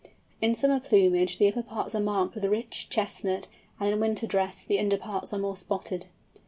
In summer plumage, the upper parts are marked with rich chestnut, and in winter dress, the underparts are more spotted.